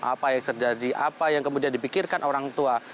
apa yang terjadi apa yang kemudian dipikirkan orang tua